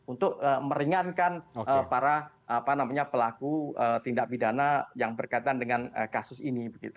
untuk meringankan para pelaku tindak pidana yang berkaitan dengan kasus ini